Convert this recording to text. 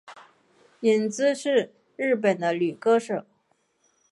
伊织是日本的女歌手。